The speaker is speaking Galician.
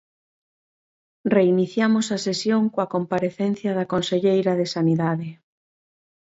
Reiniciamos a sesión coa comparecencia da conselleira de Sanidade.